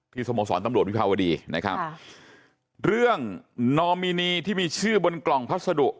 สโมสรตำรวจวิภาวดีนะครับค่ะเรื่องนอมินีที่มีชื่อบนกล่องพัสดุ